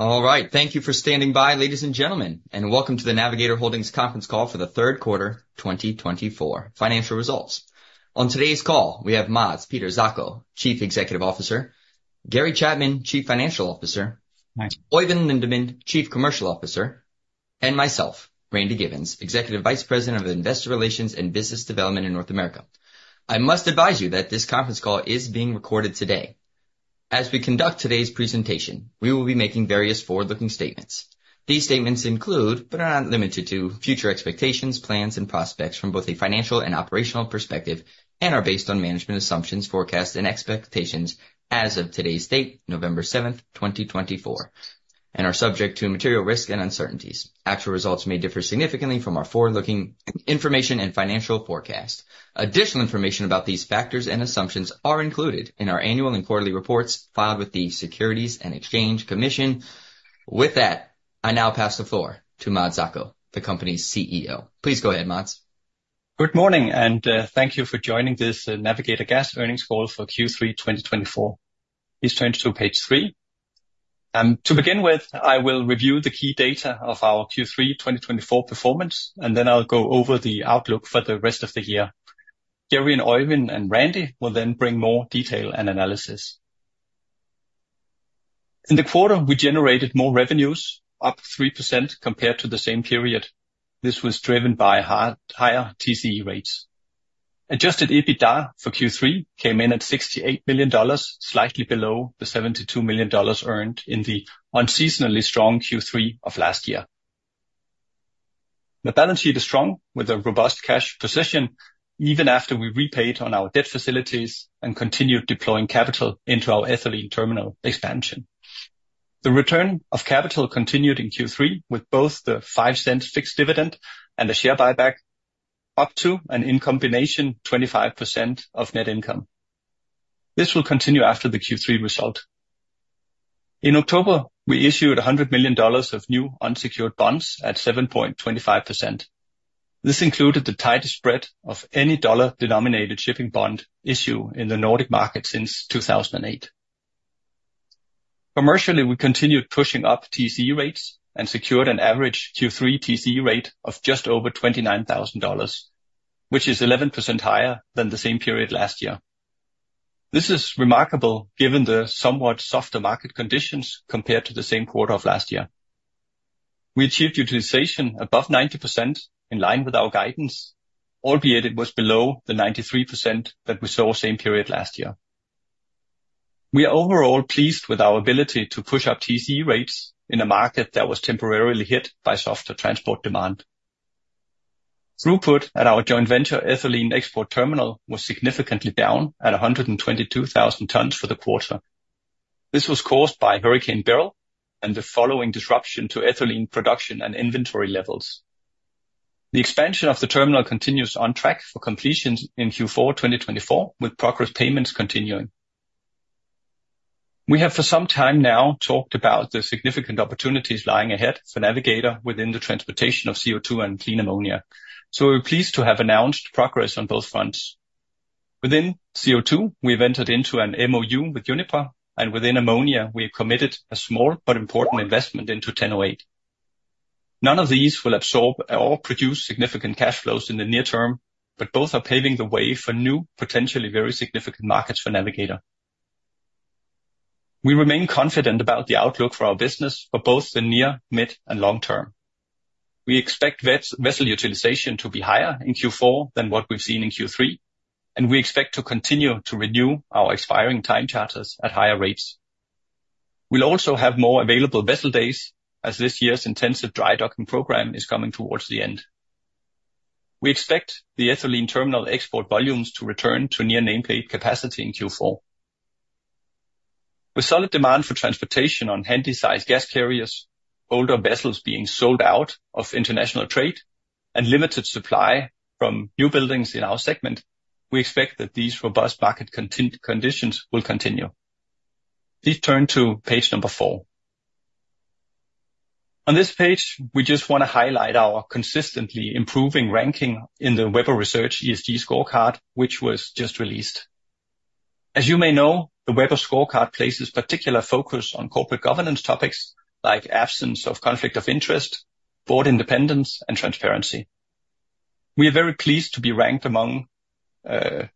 All right. Thank you for standing by, ladies and gentlemen, and welcome to the Navigator Holdings conference call for the third quarter, 2024, financial results. On today's call, we have Mads Peter Zacho, Chief Executive Officer, Gary Chapman, Chief Financial Officer, Oeyvind Lindeman, Chief Commercial Officer, and myself, Randy Giveans, Executive Vice President of Investor Relations and Business Development in North America. I must advise you that this conference call is being recorded today. As we conduct today's presentation, we will be making various forward-looking statements. These statements include, but are not limited to, future expectations, plans, and prospects from both a financial and operational perspective, and are based on management assumptions, forecasts, and expectations as of today's date, November 7th, 2024, and are subject to material risk and uncertainties. Actual results may differ significantly from our forward-looking information and financial forecast. Additional information about these factors and assumptions is included in our annual and quarterly reports filed with the Securities and Exchange Commission. With that, I now pass the floor to Mads Zacho, the company's CEO. Please go ahead, Mads. Good morning, and thank you for joining this Navigator Gas earnings call for Q3 2024. Please turn to page three. To begin with, I will review the key data of our Q3 2024 performance, and then I'll go over the outlook for the rest of the year. Gary and Oeyvind and Randy will then bring more detail and analysis. In the quarter, we generated more revenues, up 3% compared to the same period. This was driven by higher TCE rates. Adjusted EBITDA for Q3 came in at $68 million, slightly below the $72 million earned in the unseasonably strong Q3 of last year. The balance sheet is strong, with a robust cash position, even after we repaid on our debt facilities and continued deploying capital into our ethylene terminal expansion. The return of capital continued in Q3, with both the $0.05 fixed dividend and the share buyback up to and in combination 25% of net income. This will continue after the Q3 result. In October, we issued $100 million of new unsecured bonds at 7.25%. This included the tightest spread of any dollar-denominated shipping bond issue in the Nordic market since 2008. Commercially, we continued pushing up TCE rates and secured an average Q3 TCE rate of just over $29,000, which is 11% higher than the same period last year. This is remarkable given the somewhat softer market conditions compared to the same quarter of last year. We achieved utilization above 90% in line with our guidance, albeit it was below the 93% that we saw same period last year. We are overall pleased with our ability to push up TCE rates in a market that was temporarily hit by softer transport demand. Throughput at our joint venture ethylene export terminal was significantly down at 122,000 tons for the quarter. This was caused by Hurricane Beryl and the following disruption to ethylene production and inventory levels. The expansion of the terminal continues on track for completion in Q4 2024, with progress payments continuing. We have for some time now talked about the significant opportunities lying ahead for Navigator within the transportation of CO2 and clean ammonia, so we're pleased to have announced progress on both fronts. Within CO2, we've entered into an MoU with Uniper, and within ammonia, we've committed a small but important investment into Ten08. None of these will absorb or produce significant cash flows in the near term, but both are paving the way for new, potentially very significant markets for Navigator. We remain confident about the outlook for our business for both the near, mid, and long term. We expect vessel utilization to be higher in Q4 than what we've seen in Q3, and we expect to continue to renew our expiring time charters at higher rates. We'll also have more available vessel days as this year's intensive dry docking program is coming towards the end. We expect the ethylene terminal export volumes to return to near nameplate capacity in Q4. With solid demand for transportation on Handysize gas carriers, older vessels being sold out of international trade, and limited supply from new buildings in our segment, we expect that these robust market conditions will continue. Please turn to page number four. On this page, we just want to highlight our consistently improving ranking in the Webber Research ESG scorecard, which was just released. As you may know, the Webber scorecard places particular focus on corporate governance topics like absence of conflict of interest, board independence, and transparency. We are very pleased to be ranked third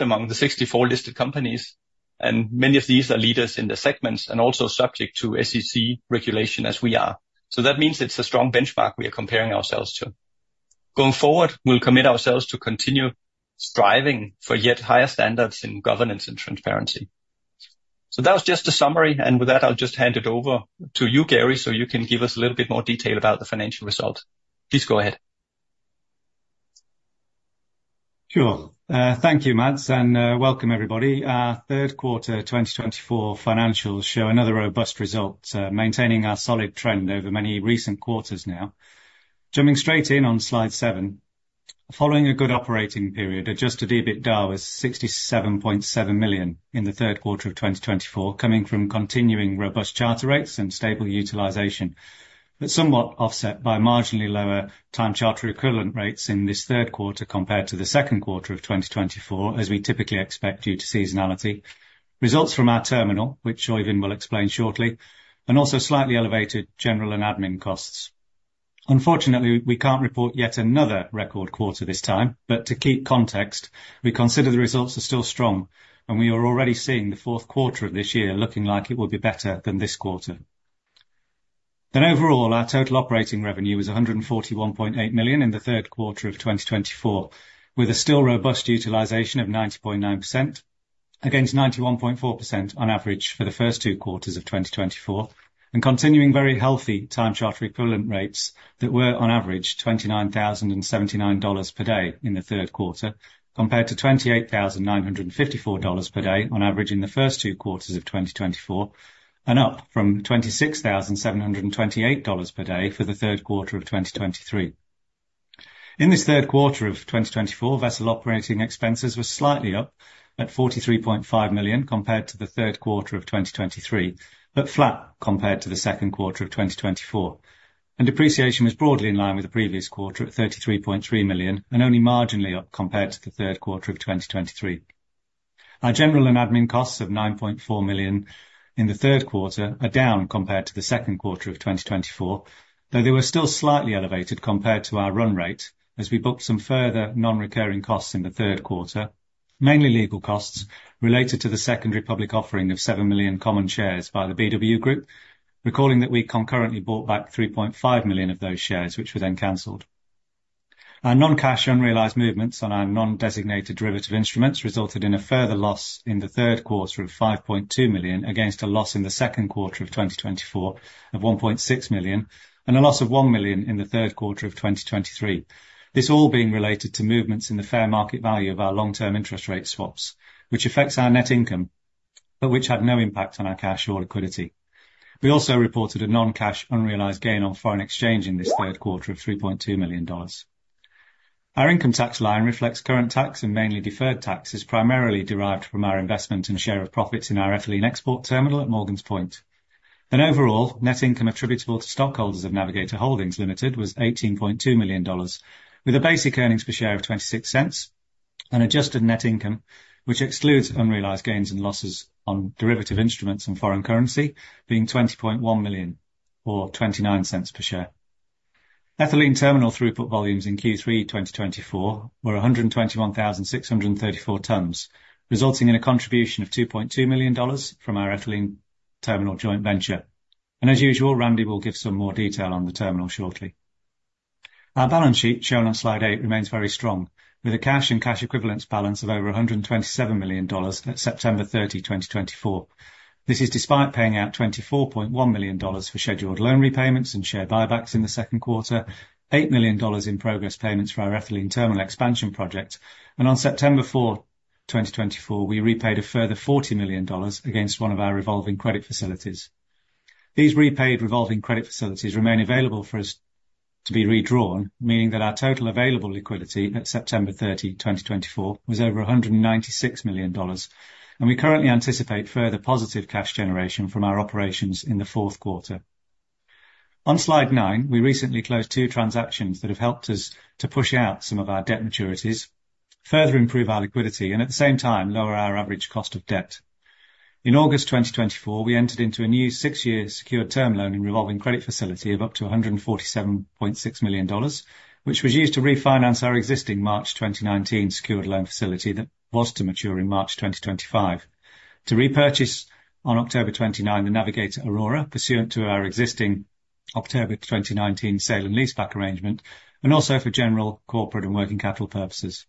among the 64 listed companies, and many of these are leaders in the segments and also subject to SEC regulation as we are. So that means it's a strong benchmark we are comparing ourselves to. Going forward, we'll commit ourselves to continue striving for yet higher standards in governance and transparency. So that was just a summary, and with that, I'll just hand it over to you, Gary, so you can give us a little bit more detail about the financial result. Please go ahead. Sure. Thank you, Mads, and welcome, everybody. Our third quarter 2024 financials show another robust result, maintaining our solid trend over many recent quarters now. Jumping straight in on slide seven, following a good operating period, Adjusted EBITDA was $67.7 million in the third quarter of 2024, coming from continuing robust charter rates and stable utilization, but somewhat offset by marginally lower time charter equivalent rates in this third quarter compared to the second quarter of 2024, as we typically expect due to seasonality, results from our terminal, which Oeyvind will explain shortly, and also slightly elevated general and admin costs. Unfortunately, we can't report yet another record quarter this time, but to keep context, we consider the results are still strong, and we are already seeing the fourth quarter of this year looking like it will be better than this quarter. Then overall, our total operating revenue was $141.8 million in the third quarter of 2024, with a still robust utilization of 90.9% against 91.4% on average for the first two quarters of 2024, and continuing very healthy time charter equivalent rates that were on average $29,079 per day in the third quarter, compared to $28,954 per day on average in the first two quarters of 2024, and up from $26,728 per day for the third quarter of 2023. In this third quarter of 2024, vessel operating expenses were slightly up at $43.5 million compared to the third quarter of 2023, but flat compared to the second quarter of 2024, and depreciation was broadly in line with the previous quarter at $33.3 million, and only marginally up compared to the third quarter of 2023. Our general and admin costs of $9.4 million in the third quarter are down compared to the second quarter of 2024, though they were still slightly elevated compared to our run rate as we booked some further non-recurring costs in the third quarter, mainly legal costs related to the secondary offering of 7 million common shares by the BW Group, recalling that we concurrently bought back 3.5 million of those shares, which were then canceled. Our non-cash unrealized movements on our non-designated derivative instruments resulted in a further loss in the third quarter of $5.2 million against a loss in the second quarter of 2024 of $1.6 million, and a loss of $1 million in the third quarter of 2023. This all being related to movements in the fair market value of our long-term interest rate swaps, which affects our net income, but which had no impact on our cash or liquidity. We also reported a non-cash unrealized gain on foreign exchange in this third quarter of $3.2 million. Our income tax line reflects current tax and mainly deferred taxes primarily derived from our investment and share of profits in our ethane export terminal at Morgan's Point, and overall, net income attributable to stockholders of Navigator Holdings Limited was $18.2 million, with a basic earnings per share of $0.26, and adjusted net income, which excludes unrealized gains and losses on derivative instruments and foreign currency, being $20.1 million or $0.29 per share. ethane terminal throughput volumes in Q3 2024 were 121,634 tons, resulting in a contribution of $2.2 million from our ethane terminal joint venture. As usual, Randy will give some more detail on the terminal shortly. Our balance sheet shown on slide eight remains very strong, with a cash and cash equivalents balance of over $127 million at September 30, 2024. This is despite paying out $24.1 million for scheduled loan repayments and share buybacks in the second quarter, $8 million in progress payments for our ethylene terminal expansion project, and on September 4, 2024, we repaid a further $40 million against one of our revolving credit facilities. These repaid revolving credit facilities remain available for us to be redrawn, meaning that our total available liquidity at September 30, 2024, was over $196 million, and we currently anticipate further positive cash generation from our operations in the fourth quarter. On slide nine, we recently closed two transactions that have helped us to push out some of our debt maturities, further improve our liquidity, and at the same time lower our average cost of debt. In August 2024, we entered into a new six-year secured term loan and revolving credit facility of up to $147.6 million, which was used to refinance our existing March 2019 secured loan facility that was to mature in March 2025, to repurchase on October 29 the Navigator Aurora pursuant to our existing October 2019 sale and lease back arrangement, and also for general, corporate, and working capital purposes.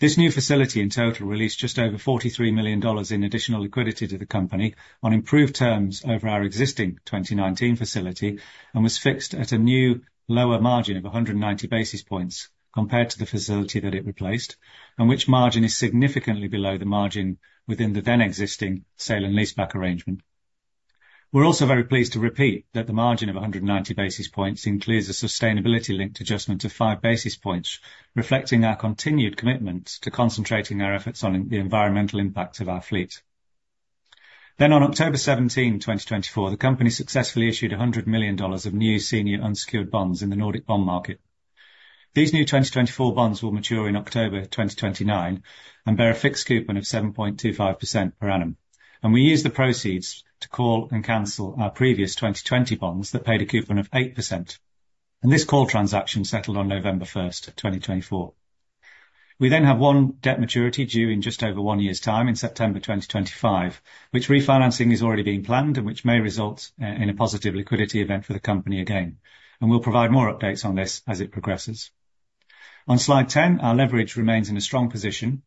This new facility in total released just over $43 million in additional liquidity to the company on improved terms over our existing 2019 facility and was fixed at a new lower margin of 190 basis points compared to the facility that it replaced, and which margin is significantly below the margin within the then-existing sale and lease back arrangement. We're also very pleased to repeat that the margin of 190 basis points includes a sustainability-linked adjustment of five basis points, reflecting our continued commitment to concentrating our efforts on the environmental impact of our fleet. On October 17, 2024, the company successfully issued $100 million of new senior unsecured bonds in the Nordic bond market. These new 2024 bonds will mature in October 2029 and bear a fixed coupon of 7.25% per annum, and we use the proceeds to call and cancel our previous 2020 bonds that paid a coupon of 8%. And this call transaction settled on November 1, 2024. We then have one debt maturity due in just over one year's time in September 2025, which refinancing is already being planned and which may result in a positive liquidity event for the company again, and we'll provide more updates on this as it progresses. On slide 10, our leverage remains in a strong position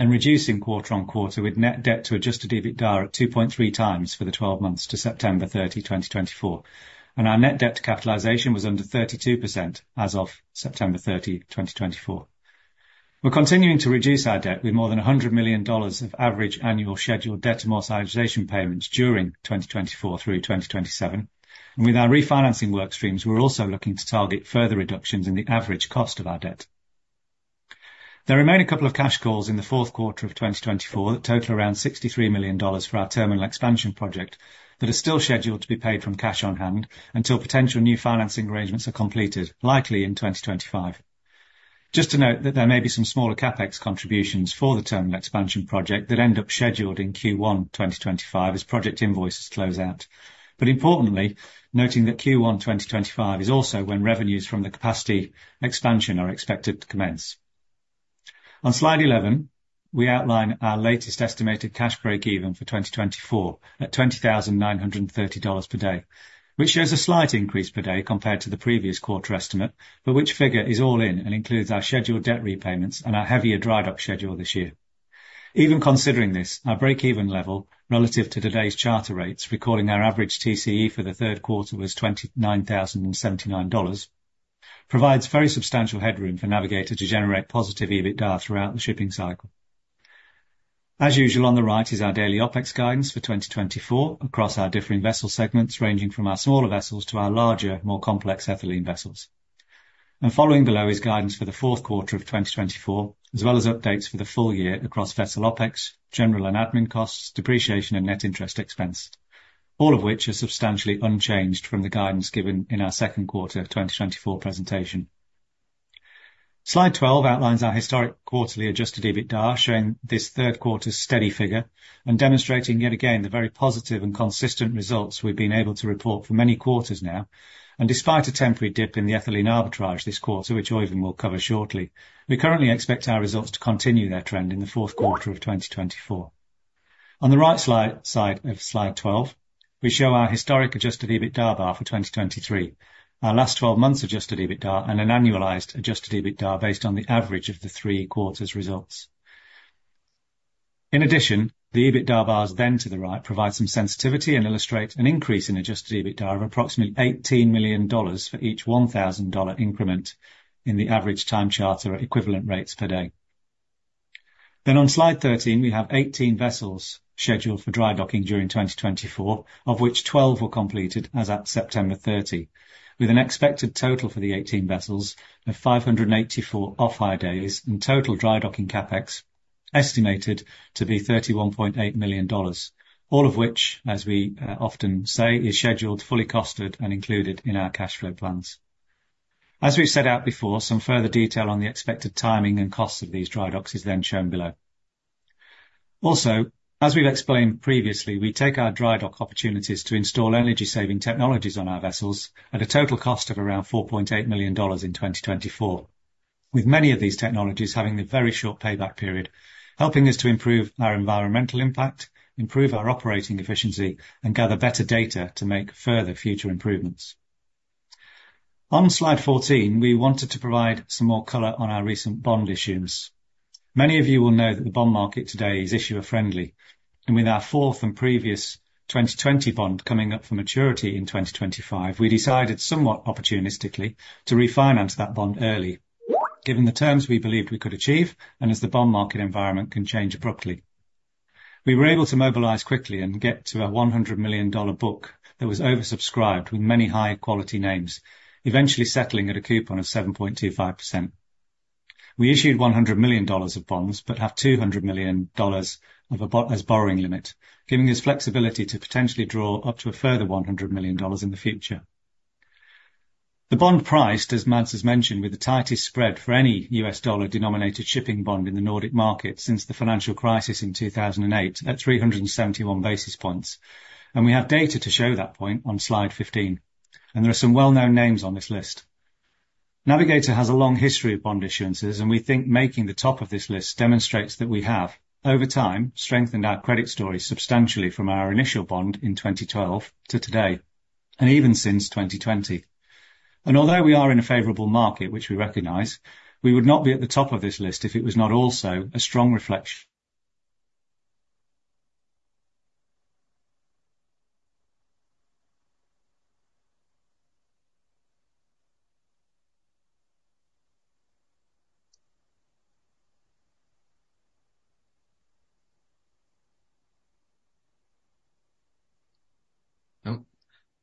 and reducing quarter on quarter with net debt to Adjusted EBITDA at 2.3 times for the 12 months to September 30, 2024, and our net debt to capitalization was under 32% as of September 30, 2024. We're continuing to reduce our debt with more than $100 million of average annual scheduled debt and more amortization payments during 2024 through 2027, and with our refinancing workstreams, we're also looking to target further reductions in the average cost of our debt. There remain a couple of cash calls in the fourth quarter of 2024 that total around $63 million for our terminal expansion project that are still scheduled to be paid from cash on hand until potential new financing arrangements are completed, likely in 2025. Just to note that there may be some smaller CapEx contributions for the terminal expansion project that end up scheduled in Q1 2025 as project invoices close out, but importantly, noting that Q1 2025 is also when revenues from the capacity expansion are expected to commence. On slide 11, we outline our latest estimated cash breakeven for 2024 at $20,930 per day, which shows a slight increase per day compared to the previous quarter estimate, but which figure is all in and includes our scheduled debt repayments and our heavier dry dock schedule this year. Even considering this, our breakeven level relative to today's charter rates, recording our average TCE for the third quarter was $29,079, provides very substantial headroom for Navigator to generate positive EBITDA throughout the shipping cycle. As usual, on the right is our daily OPEX guidance for 2024 across our differing vessel segments, ranging from our smaller vessels to our larger, more complex ethylene vessels. Following below is guidance for the fourth quarter of 2024, as well as updates for the full year across vessel OpEx, general and admin costs, depreciation, and net interest expense, all of which are substantially unchanged from the guidance given in our second quarter of 2024 presentation. Slide 12 outlines our historic quarterly adjusted EBITDA, showing this third quarter's steady figure and demonstrating yet again the very positive and consistent results we've been able to report for many quarters now. Despite a temporary dip in the ethylene arbitrage this quarter, which Oeyvind will cover shortly, we currently expect our results to continue their trend in the fourth quarter of 2024. On the right side of Slide 12, we show our historic adjusted EBITDA bar for 2023, our last 12 months' adjusted EBITDA, and an annualized adjusted EBITDA based on the average of the three quarters' results. In addition, the EBITDA bars then to the right provide some sensitivity and illustrate an increase in adjusted EBITDA of approximately $18 million for each $1,000 increment in the average time charter equivalent rates per day. Then on slide 13, we have 18 vessels scheduled for dry docking during 2024, of which 12 were completed as at September 30, with an expected total for the 18 vessels of 584 off-hire days and total dry docking CapEx estimated to be $31.8 million, all of which, as we often say, is scheduled, fully costed, and included in our cash flow plans. As we've set out before, some further detail on the expected timing and costs of these dry docks is then shown below. Also, as we've explained previously, we take our dry dock opportunities to install energy-saving technologies on our vessels at a total cost of around $4.8 million in 2024, with many of these technologies having a very short payback period, helping us to improve our environmental impact, improve our operating efficiency, and gather better data to make further future improvements. On slide 14, we wanted to provide some more color on our recent bond issuance. Many of you will know that the bond market today is issuer-friendly, and with our fourth and previous 2020 bond coming up for maturity in 2025, we decided somewhat opportunistically to refinance that bond early, given the terms we believed we could achieve, and as the bond market environment can change abruptly. We were able to mobilize quickly and get to a $100 million book that was oversubscribed with many high-quality names, eventually settling at a coupon of 7.25%. We issued $100 million of bonds but have $200 million as borrowing limit, giving us flexibility to potentially draw up to a further $100 million in the future. The bond price, as Mads has mentioned, with the tightest spread for any U.S. dollar-denominated shipping bond in the Nordic market since the financial crisis in 2008 at 371 basis points, and we have data to show that point on slide 15, and there are some well-known names on this list. Navigator has a long history of bond issuances, and we think making the top of this list demonstrates that we have, over time, strengthened our credit story substantially from our initial bond in 2012 to today, and even since 2020. Although we are in a favorable market, which we recognize, we would not be at the top of this list if it was not also a strong reflection.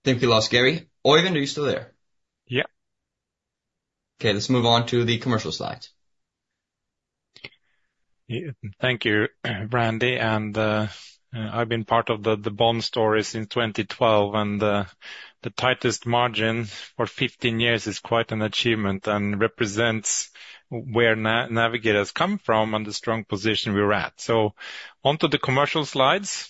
Thank you, Lars. Gary, Oeyvind, are you still there? Yep. Okay, let's move on to the commercial slides. Thank you, Randy. I've been part of the bond story since 2012, and the tightest margin for 15 years is quite an achievement and represents where Navigator has come from and the strong position we're at. Onto the commercial slides.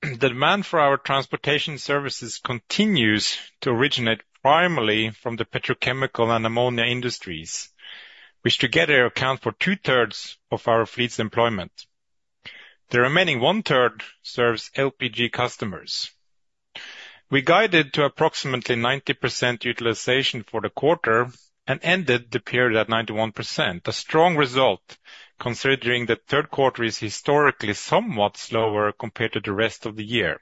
The demand for our transportation services continues to originate primarily from the petrochemical and ammonia industries, which together account for two-thirds of our fleet's employment. The remaining one-third serves LPG customers. We guided to approximately 90% utilization for the quarter and ended the period at 91%, a strong result considering that third quarter is historically somewhat slower compared to the rest of the year.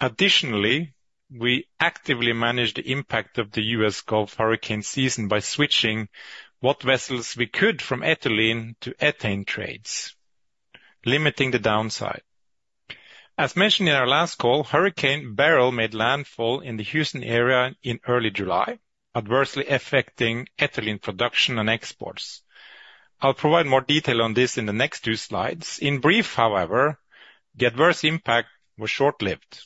Additionally, we actively managed the impact of the U.S. Gulf Hurricane season by switching what vessels we could from ethylene to ethane trades, limiting the downside. As mentioned in our last call, Hurricane Beryl made landfall in the Houston area in early July, adversely affecting ethylene production and exports. I'll provide more detail on this in the next two slides. In brief, however, the adverse impact was short-lived.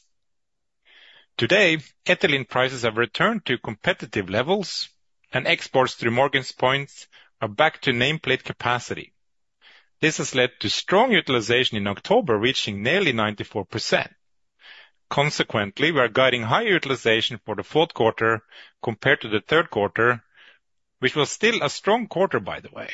Today, ethylene prices have returned to competitive levels, and exports through Morgan's Point are back to nameplate capacity. This has led to strong utilization in October, reaching nearly 94%. Consequently, we are guiding higher utilization for the fourth quarter compared to the third quarter, which was still a strong quarter, by the way.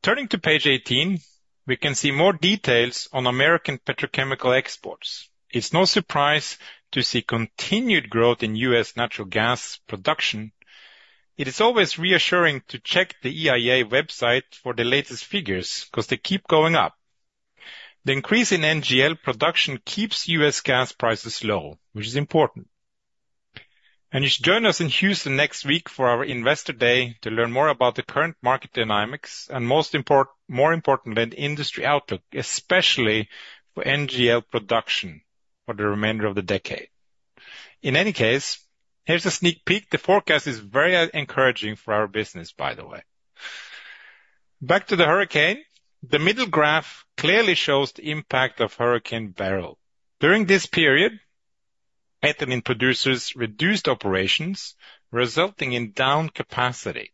Turning to page 18, we can see more details on American petrochemical exports. It's no surprise to see continued growth in U.S. natural gas production. It is always reassuring to check the EIA website for the latest figures because they keep going up. The increase in NGL production keeps U.S. gas prices low, which is important. And you should join us in Houston next week for our Investor Day to learn more about the current market dynamics and, most importantly, more importantly, the industry outlook, especially for NGL production for the remainder of the decade. In any case, here's a sneak peek. The forecast is very encouraging for our business, by the way. Back to the hurricane, the middle graph clearly shows the impact of Hurricane Beryl. During this period, ethylene producers reduced operations, resulting in down capacity,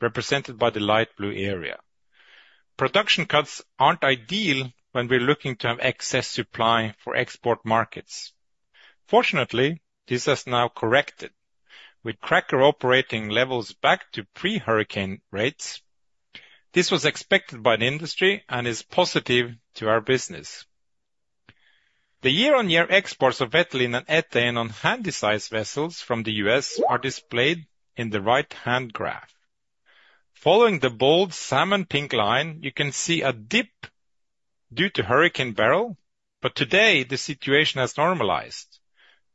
represented by the light blue area. Production cuts aren't ideal when we're looking to have excess supply for export markets. Fortunately, this has now corrected, with cracker operating levels back to pre-hurricane rates. This was expected by the industry and is positive to our business. The year-on-year exports of ethylene and ethane on Handysize vessels from the U.S. are displayed in the right-hand graph. Following the bold salmon pink line, you can see a dip due to Hurricane Beryl, but today the situation has normalized,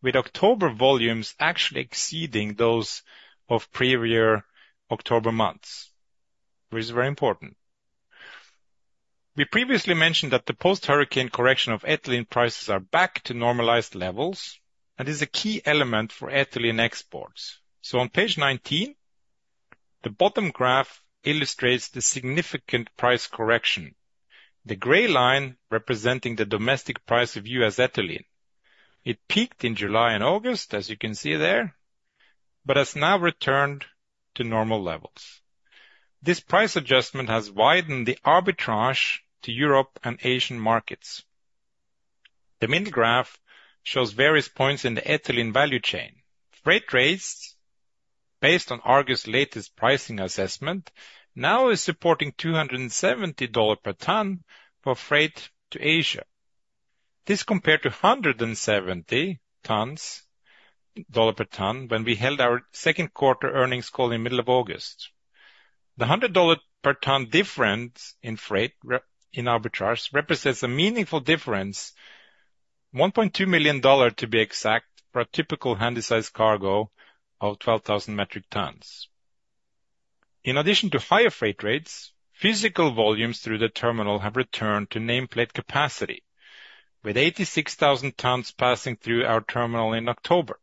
with October volumes actually exceeding those of previous October months, which is very important. We previously mentioned that the post-hurricane correction of ethylene prices is back to normalized levels, and it is a key element for ethylene exports. On page 19, the bottom graph illustrates the significant price correction. The gray line, representing the domestic price of U.S. ethylene. It peaked in July and August, as you can see there, but has now returned to normal levels. This price adjustment has widened the arbitrage to Europe and Asian markets. The middle graph shows various points in the ethylene value chain. Freight rates, based on Argus' latest pricing assessment, now are supporting $270 per ton for freight to Asia. This, compared to $170 per ton when we held our second quarter earnings call in the middle of August. The $100 per ton difference in freight in arbitrage represents a meaningful difference, $1.2 million to be exact, for a typical Handysize cargo of 12,000 metric tons. In addition to higher freight rates, physical volumes through the terminal have returned to nameplate capacity, with 86,000 tons passing through our terminal in October,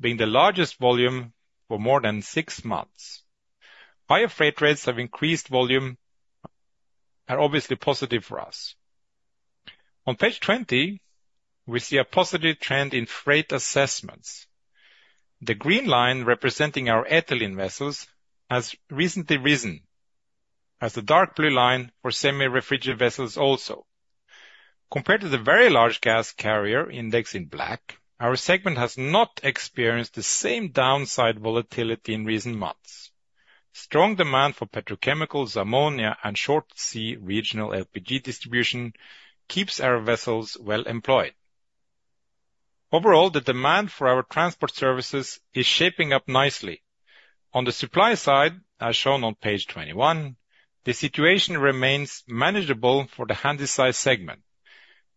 being the largest volume for more than six months. Higher freight rates have increased volume, are obviously positive for us. On page 20, we see a positive trend in freight assessments. The green line representing our ethylene vessels has recently risen, as the dark blue line for semi-refrigerated vessels also. Compared to the very large gas carrier index in black, our segment has not experienced the same downside volatility in recent months. Strong demand for petrochemicals, ammonia, and short-sea regional LPG distribution keeps our vessels well employed. Overall, the demand for our transport services is shaping up nicely. On the supply side, as shown on page 21, the situation remains manageable for the Handysize segment.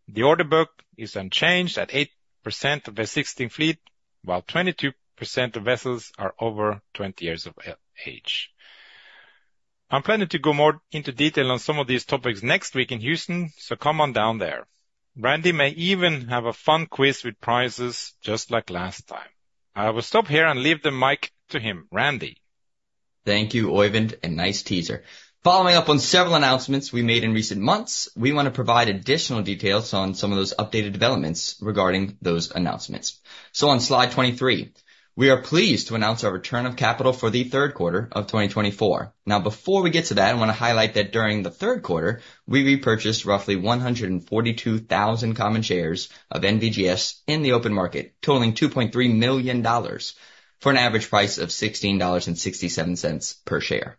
The order book is unchanged at 8% of a 16-fleet, while 22% of vessels are over 20 years of age. I'm planning to go more into detail on some of these topics next week in Houston, so come on down there. Randy may even have a fun quiz with prizes, just like last time. I will stop here and leave the mic to him. Randy. Thank you, Oeyvind, and nice teaser. Following up on several announcements we made in recent months, we want to provide additional details on some of those updated developments regarding those announcements. So on slide 23, we are pleased to announce our return of capital for the third quarter of 2024. Now, before we get to that, I want to highlight that during the third quarter, we repurchased roughly 142,000 common shares of NVGS in the open market, totaling $2.3 million for an average price of $16.67 per share.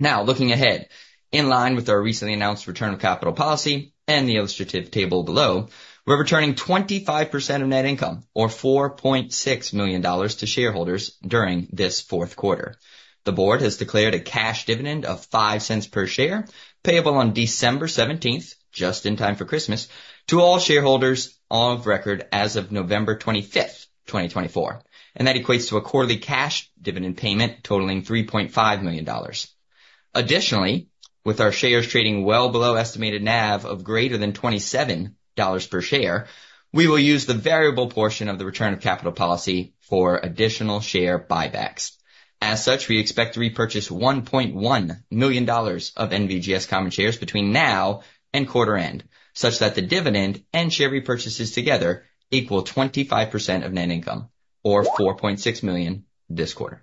Now, looking ahead, in line with our recently announced return of capital policy and the illustrative table below, we're returning 25% of net income, or $4.6 million, to shareholders during this fourth quarter. The board has declared a cash dividend of $0.05 per share, payable on December 17th, just in time for Christmas, to all shareholders of record as of November 25th, 2024, and that equates to a quarterly cash dividend payment totaling $3.5 million. Additionally, with our shares trading well below estimated NAV of greater than $27 per share, we will use the variable portion of the return of capital policy for additional share buybacks. As such, we expect to repurchase $1.1 million of NVGS common shares between now and quarter end, such that the dividend and share repurchases together equal 25% of net income, or $4.6 million this quarter.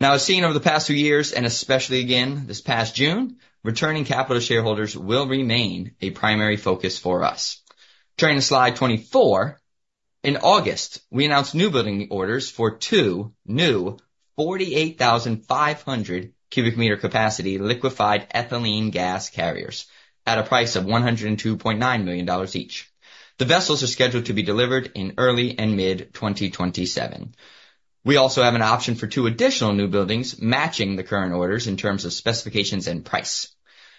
Now, as seen over the past few years, and especially again this past June, returning capital to shareholders will remain a primary focus for us. Turning to slide 24, in August, we announced new building orders for two new 48,500 cubic meter capacity liquefied ethylene gas carriers at a price of $102.9 million each. The vessels are scheduled to be delivered in early and mid-2027. We also have an option for two additional new buildings matching the current orders in terms of specifications and price.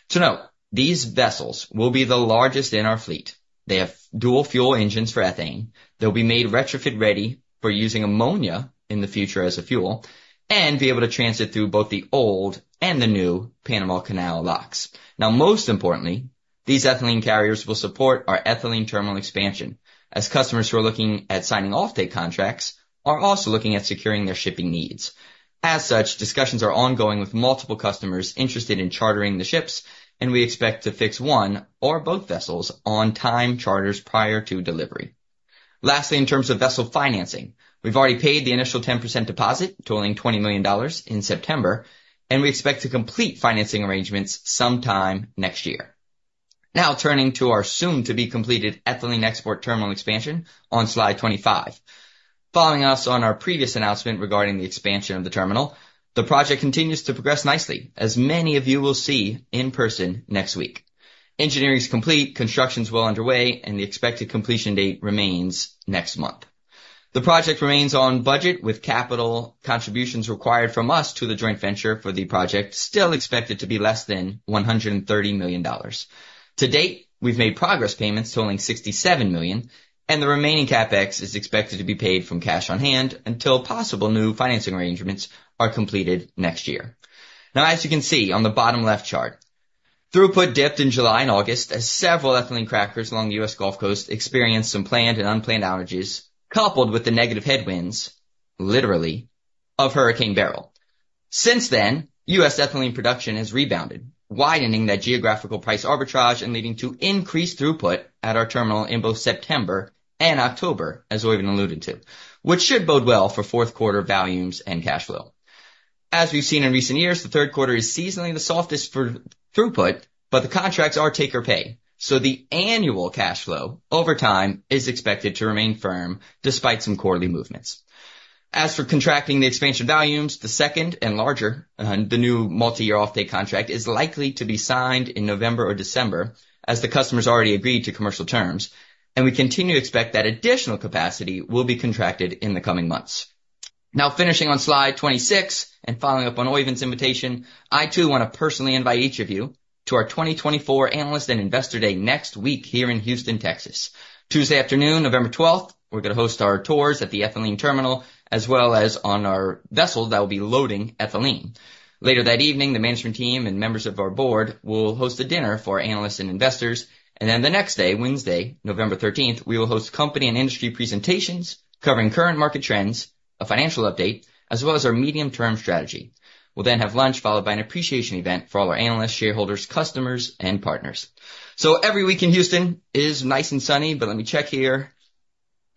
So now, these vessels will be the largest in our fleet. They have dual fuel engines for ethane. They'll be made retrofit ready for using ammonia in the future as a fuel and be able to transit through both the old and the new Panama Canal locks. Now, most importantly, these ethylene carriers will support our ethylene terminal expansion, as customers who are looking at signing offtake contracts are also looking at securing their shipping needs. As such, discussions are ongoing with multiple customers interested in chartering the ships, and we expect to fix one or both vessels on time charters prior to delivery. Lastly, in terms of vessel financing, we've already paid the initial 10% deposit, totaling $20 million in September, and we expect to complete financing arrangements sometime next year. Now, turning to our soon-to-be-completed ethylene export terminal expansion on slide 25. Following up on our previous announcement regarding the expansion of the terminal, the project continues to progress nicely, as many of you will see in person next week. Engineering is complete, construction is well underway, and the expected completion date remains next month. The project remains on budget, with capital contributions required from us to the joint venture for the project still expected to be less than $130 million. To date, we've made progress payments totaling $67 million, and the remaining CapEx is expected to be paid from cash on hand until possible new financing arrangements are completed next year. Now, as you can see on the bottom left chart, throughput dipped in July and August as several ethylene crackers along the US Gulf Coast experienced some planned and unplanned outages, coupled with the negative headwinds, literally, of Hurricane Beryl. Since then, U.S. ethylene production has rebounded, widening that geographical price arbitrage and leading to increased throughput at our terminal in both September and October, as Oeyvind alluded to, which should bode well for fourth quarter volumes and cash flow. As we've seen in recent years, the third quarter is seasonally the softest for throughput, but the contracts are take-or-pay. So the annual cash flow over time is expected to remain firm despite some quarterly movements. As for contracting the expansion volumes, the second and larger, the new multi-year offtake contract is likely to be signed in November or December, as the customers already agreed to commercial terms, and we continue to expect that additional capacity will be contracted in the coming months. Now, finishing on slide 26 and following up on Oeyvind's invitation, I too want to personally invite each of you to our 2024 Analyst and Investor Day next week here in Houston, Texas. Tuesday afternoon, November 12th, we're going to host our tours at the ethylene terminal, as well as on our vessel that will be loading ethylene. Later that evening, the management team and members of our board will host a dinner for analysts and investors. And then the next day, Wednesday, November 13th, we will host company and industry presentations covering current market trends, a financial update, as well as our medium-term strategy. We'll then have lunch followed by an appreciation event for all our analysts, shareholders, customers, and partners. So every week in Houston is nice and sunny, but let me check here.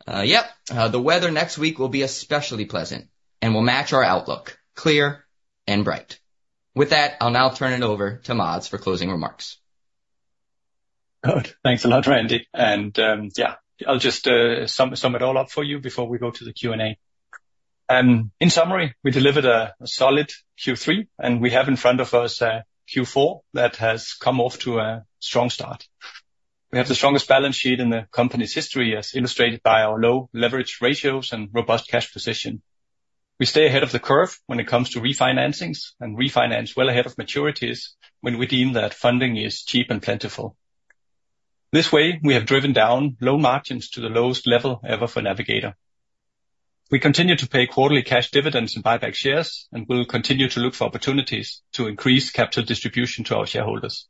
Yep, the weather next week will be especially pleasant and will match our outlook, clear and bright. With that, I'll now turn it over to Mads for closing remarks. Good. Thanks a lot, Randy. And yeah, I'll just sum it all up for you before we go to the Q&A. In summary, we delivered a solid Q3, and we have in front of us a Q4 that has come off to a strong start. We have the strongest balance sheet in the company's history, as illustrated by our low leverage ratios and robust cash position. We stay ahead of the curve when it comes to refinancings and refinance well ahead of maturities when we deem that funding is cheap and plentiful. This way, we have driven down loan margins to the lowest level ever for Navigator. We continue to pay quarterly cash dividends and buyback shares, and we'll continue to look for opportunities to increase capital distribution to our shareholders.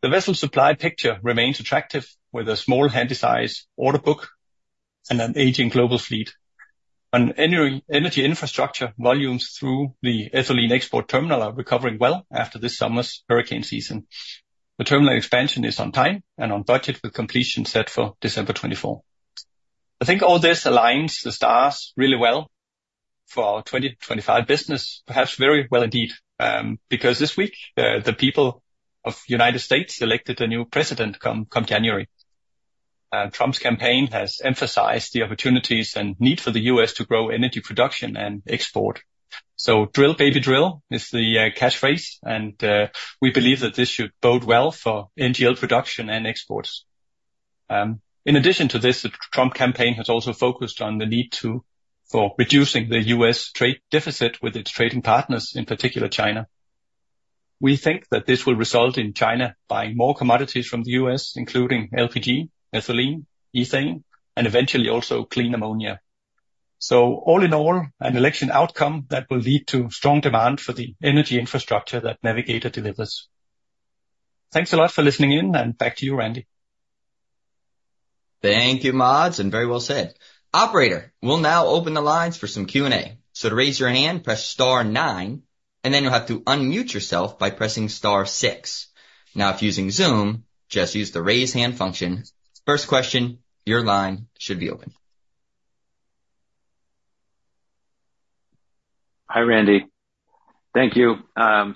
The vessel supply picture remains attractive with a small handysize order book and an aging global fleet, and energy infrastructure volumes through the ethylene export terminal are recovering well after this summer's hurricane season. The terminal expansion is on time and on budget with completion set for December 24. I think all this aligns the stars really well for our 2025 business, perhaps very well indeed, because this week, the people of the United States elected a new president come January. Trump's campaign has emphasized the opportunities and need for the U.S. to grow energy production and export, so drill, baby, drill is the catchphrase, and we believe that this should bode well for NGL production and exports. In addition to this, the Trump campaign has also focused on the need for reducing the U.S. trade deficit with its trading partners, in particular China. We think that this will result in China buying more commodities from the U.S., including LPG, ethylene, ethane, and eventually also clean ammonia. So all in all, an election outcome that will lead to strong demand for the energy infrastructure that Navigator delivers. Thanks a lot for listening in, and back to you, Randy. Thank you, Mads, and very well said. Operator, we'll now open the lines for some Q&A. So to raise your hand, press Star 9, and then you'll have to unmute yourself by pressing Star 6. Now, if using Zoom, just use the raise hand function. First question, your line should be open. Hi, Randy. Thank you. And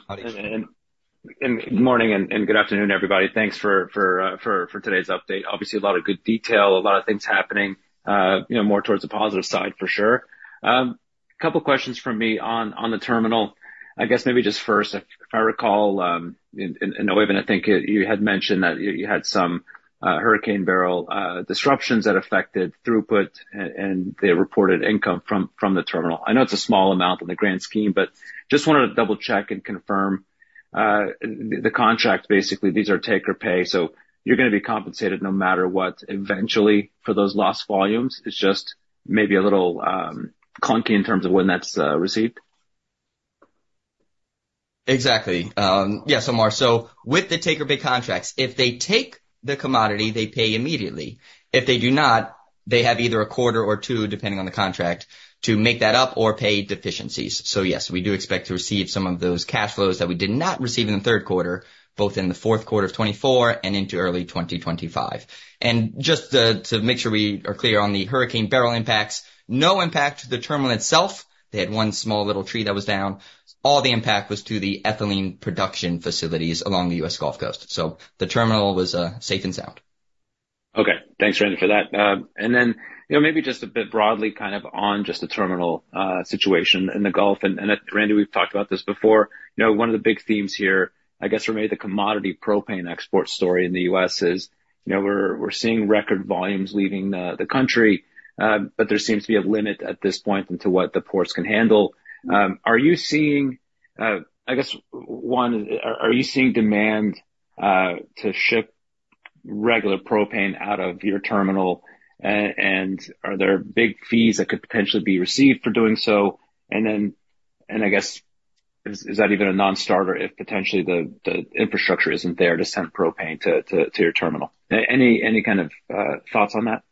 good morning and good afternoon, everybody. Thanks for today's update. Obviously, a lot of good detail, a lot of things happening, more towards the positive side, for sure. A couple of questions from me on the terminal. I guess maybe just first, if I recall, and Oeyvind, I think you had mentioned that you had some Hurricane Beryl disruptions that affected throughput and the reported income from the terminal. I know it's a small amount in the grand scheme, but just wanted to double-check and confirm the contract. Basically, these are take-or-pay, so you're going to be compensated no matter what eventually for those lost volumes. It's just maybe a little clunky in terms of when that's received. Exactly. Yeah, so Mark, so with the take-or-pay contracts, if they take the commodity, they pay immediately. If they do not, they have either a quarter or two, depending on the contract, to make that up or pay deficiencies. So yes, we do expect to receive some of those cash flows that we did not receive in the third quarter, both in the fourth quarter of 2024 and into early 2025. And just to make sure we are clear on the Hurricane Beryl impacts, no impact to the terminal itself. They had one small little tree that was down. All the impact was to the ethylene production facilities along the U.S. Gulf Coast. So the terminal was safe and sound. Okay. Thanks, Randy, for that. And then maybe just a bit broadly, kind of on just the terminal situation in the Gulf, and Randy, we've talked about this before. One of the big themes here, I guess, remains the commodity propane export story in the U.S., we're seeing record volumes leaving the country, but there seems to be a limit at this point to what the ports can handle. Are you seeing, I guess, one, are you seeing demand to ship regular propane out of your terminal? And are there big fees that could potentially be received for doing so? And then, I guess, is that even a non-starter if potentially the infrastructure isn't there to send propane to your terminal? Any kind of thoughts on that?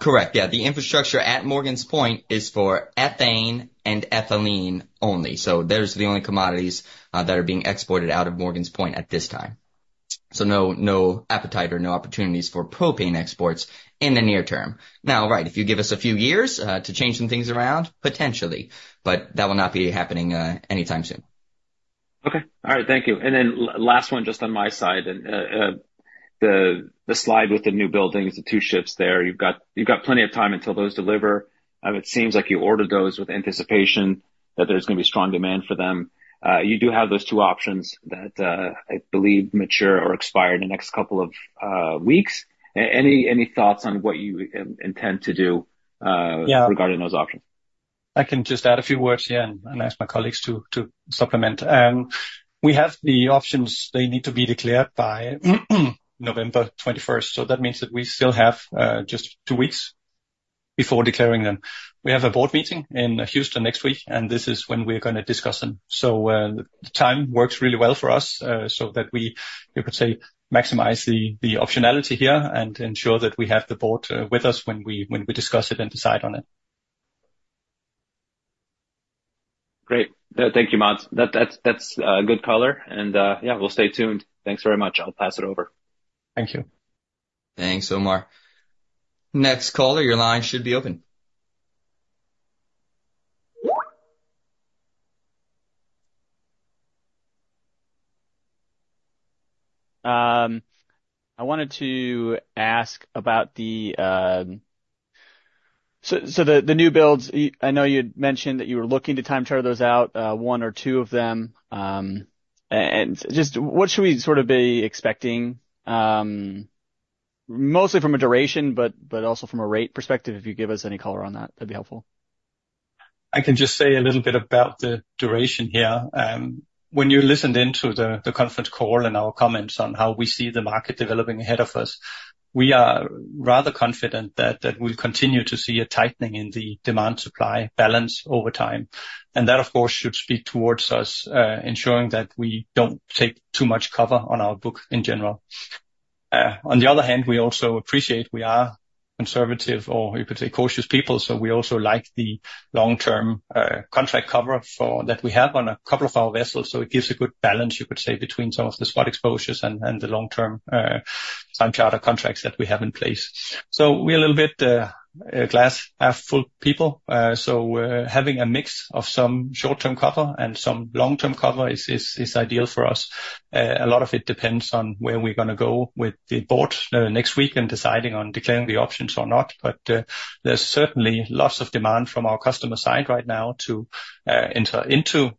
Correct. Yeah. The infrastructure at Morgan's Point is for ethane and ethylene only. So those are the only commodities that are being exported out of Morgan's Point at this time. So no appetite or no opportunities for propane exports in the near term. Now, right, if you give us a few years to change some things around, potentially, but that will not be happening anytime soon. Okay. All right. Thank you, and then last one, just on my side, and the slide with the new buildings, the two ships there, you've got plenty of time until those deliver. It seems like you ordered those with anticipation that there's going to be strong demand for them. You do have those two options that I believe mature or expire in the next couple of weeks. Any thoughts on what you intend to do regarding those options? I can just add a few words here and ask my colleagues to supplement. We have the options. They need to be declared by November 21st, so that means that we still have just two weeks before declaring them. We have a board meeting in Houston next week, and this is when we are going to discuss them. So the time works really well for us so that we could say maximize the optionality here and ensure that we have the board with us when we discuss it and decide on it. Great. Thank you, Mads. That's good color. And yeah, we'll stay tuned. Thanks very much. I'll pass it over. Thank you. Thanks, Omar. Next caller, your line should be open. I wanted to ask about the new builds. I know you had mentioned that you were looking to time charter those out, one or two of them. And just what should we sort of be expecting, mostly from a duration, but also from a rate perspective, if you give us any color on that, that'd be helpful. I can just say a little bit about the duration here. When you listened into the conference call and our comments on how we see the market developing ahead of us, we are rather confident that we'll continue to see a tightening in the demand-supply balance over time, and that, of course, should speak towards us ensuring that we don't take too much cover on our book in general. On the other hand, we also appreciate we are conservative or, you could say, cautious people, so we also like the long-term contract cover that we have on a couple of our vessels, so it gives a good balance, you could say, between some of the spot exposures and the long-term time-charter contracts that we have in place, so we're a little bit glass-half-full people. Having a mix of some short-term cover and some long-term cover is ideal for us. A lot of it depends on where we're going to go with the board next week and deciding on declaring the options or not. But there's certainly lots of demand from our customer side right now to enter into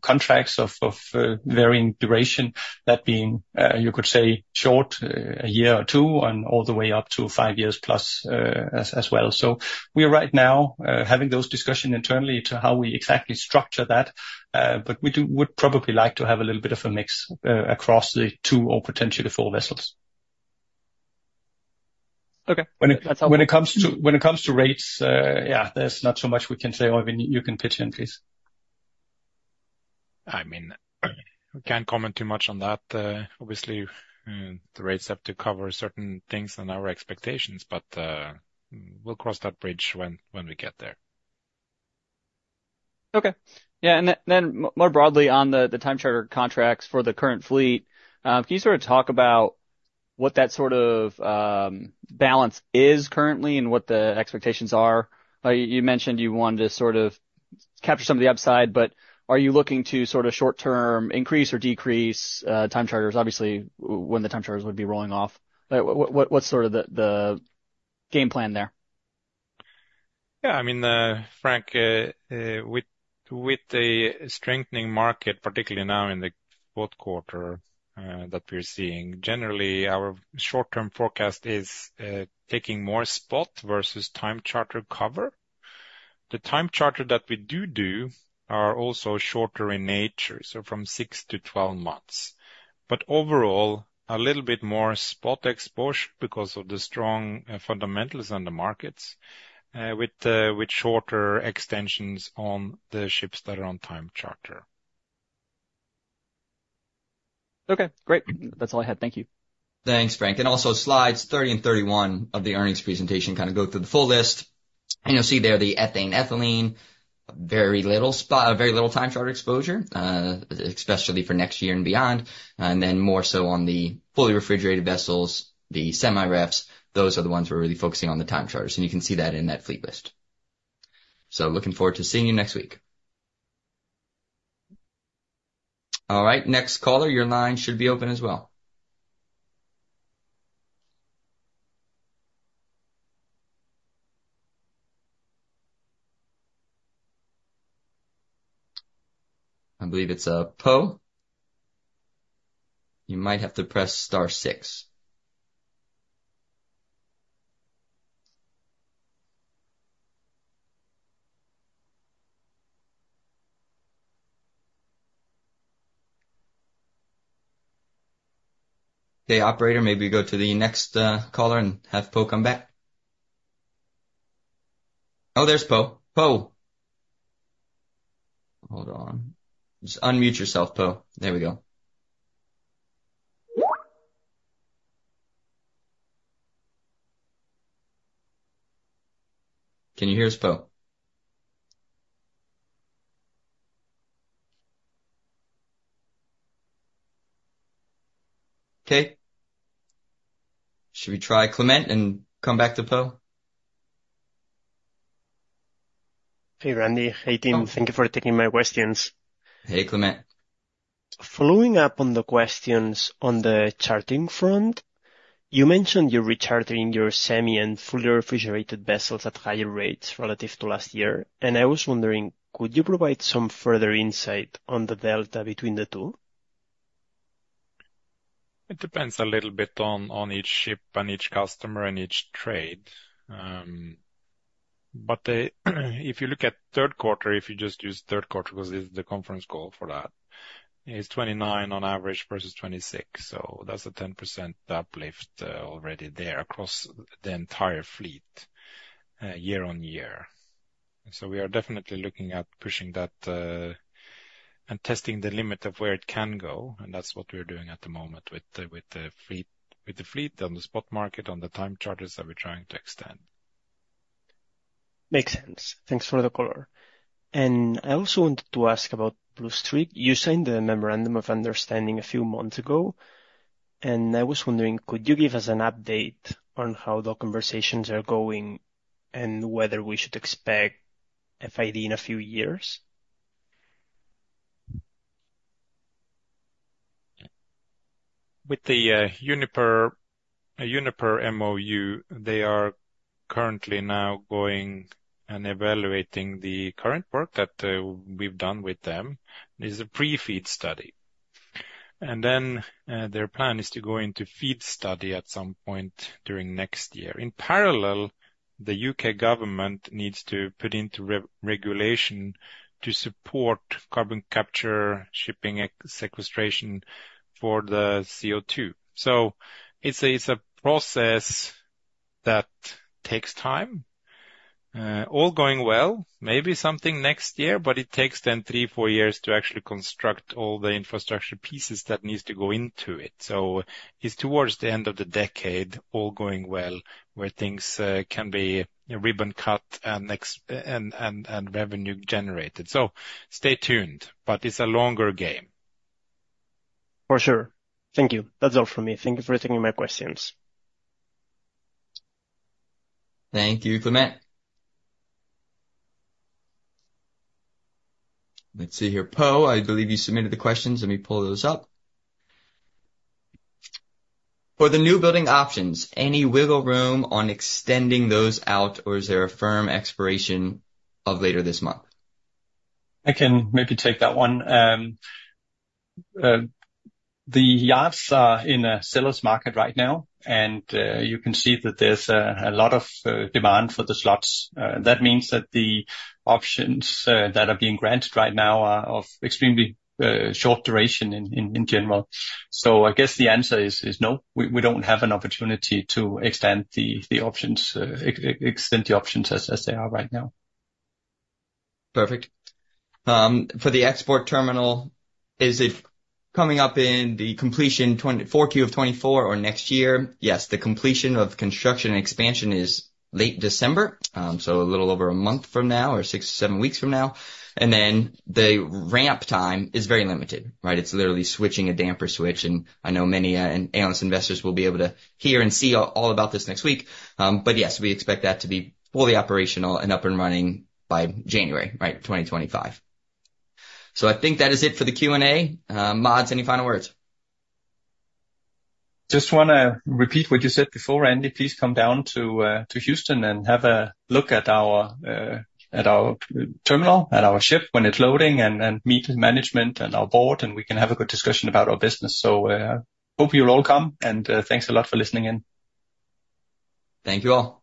contracts of varying duration, that being, you could say, short a year or two and all the way up to five years plus as well. So we are right now having those discussions internally to how we exactly structure that, but we would probably like to have a little bit of a mix across the two or potentially the four vessels. Okay. When it comes to rates, yeah, there's not so much we can say. Oeyvind, you can pitch in, please. I mean, we can't comment too much on that. Obviously, the rates have to cover certain things and our expectations, but we'll cross that bridge when we get there. Okay. Yeah. And then more broadly on the time-charter contracts for the current fleet, can you sort of talk about what that sort of balance is currently and what the expectations are? You mentioned you wanted to sort of capture some of the upside, but are you looking to sort of short-term increase or decrease time-charters? Obviously, when the time-charters would be rolling off, what's sort of the game plan there? Yeah. I mean, Frank, with the strengthening market, particularly now in the fourth quarter that we're seeing, generally, our short-term forecast is taking more spot versus time-charter cover. The time-charter that we do are also shorter in nature, so from six to 12 months. But overall, a little bit more spot exposure because of the strong fundamentals on the markets with shorter extensions on the ships that are on time-charter. Okay. Great. That's all I had. Thank you. Thanks, Frank. And also slides 30 and 31 of the earnings presentation kind of go through the full list. And you'll see there the ethane-ethylene, very little time charter exposure, especially for next year and beyond, and then more so on the fully refrigerated vessels, the semi-refs. Those are the ones we're really focusing on the time charters. And you can see that in that fleet list. So looking forward to seeing you next week. All right. Next caller, your line should be open as well. I believe it's a Poe. You might have to press Star 6. Okay, Operator, maybe go to the next caller and have Poe come back. Oh, there's Poe. Poe. Hold on. Just unmute yourself, Poe. There we go. Can you hear us, Poe? Okay. Should we try Clement and come back to Poe? Hey, Randy. Hey, team. Thank you for taking my questions. Hey, Clement. Following up on the questions on the chartering front, you mentioned you're rechartering your semi-refrigerated and fully refrigerated vessels at higher rates relative to last year. And I was wondering, could you provide some further insight on the delta between the two? It depends a little bit on each ship and each customer and each trade. But if you look at third quarter, if you just use third quarter, because this is the conference call for that, it's 29 on average versus 26. So that's a 10% uplift already there across the entire fleet year on year. So we are definitely looking at pushing that and testing the limit of where it can go. And that's what we're doing at the moment with the fleet on the spot market, on the time charters that we're trying to extend. Makes sense. Thanks for the color. I also wanted to ask about Blue Streak. You signed the memorandum of understanding a few months ago. I was wondering, could you give us an update on how the conversations are going and whether we should expect FID in a few years? With the Uniper MoU, they are currently now going and evaluating the current work that we've done with them. It's a pre-FEED study. Then their plan is to go into FEED study at some point during next year. In parallel, the U.K. government needs to put into regulation to support carbon capture, shipping sequestration for the CO2. It's a process that takes time. All going well, maybe something next year, but it takes then three, four years to actually construct all the infrastructure pieces that need to go into it. So it's towards the end of the decade, all going well, where things can be ribbon-cut and revenue generated. So stay tuned, but it's a longer game. For sure. Thank you. That's all from me. Thank you for taking my questions. Thank you, Clement. Let's see here. Poe, I believe you submitted the questions. Let me pull those up. For the new building options, any wiggle room on extending those out, or is there a firm expiration of later this month? I can maybe take that one. The yards are in a seller's market right now, and you can see that there's a lot of demand for the slots. That means that the options that are being granted right now are of extremely short duration in general. So I guess the answer is no. We don't have an opportunity to extend the options as they are right now. Perfect. For the export terminal, is it coming up in the completion Q4 of 2024 or next year? Yes, the completion of construction and expansion is late December, so a little over a month from now or six to seven weeks from now. And then the ramp time is very limited, right? It's literally switching a damper switch. And I know many analyst investors will be able to hear and see all about this next week. But yes, we expect that to be fully operational and up and running by January, right, 2025. So I think that is it for the Q&A. Mads, any final words? Just want to repeat what you said before, Randy. Please come down to Houston and have a look at our terminal, at our ship when it's loading, and meet with management and our board, and we can have a good discussion about our business. So, hope you'll all come, and thanks a lot for listening in. Thank you all.